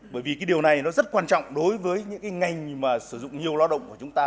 bởi vì cái điều này nó rất quan trọng đối với những cái ngành mà sử dụng nhiều lao động của chúng ta